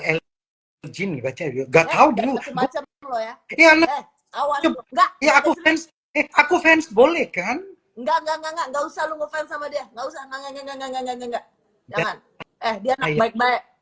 el jin jin gak tahu aku fans aku fans boleh kan enggak enggak enggak enggak enggak enggak enggak